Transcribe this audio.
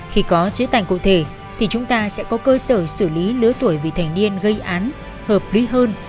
khi có chế tài cụ thể thì chúng ta sẽ có cơ sở xử lý lứa tuổi vị thành niên gây án hợp lý hơn